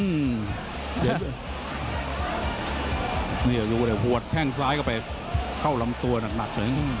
อื้อนี่อยู่เดี๋ยวพวดแข้งซ้ายเข้าลำตัวหนัก